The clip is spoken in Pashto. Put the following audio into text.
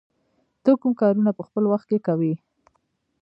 ته کوم کارونه په خپل وخت کې کوې؟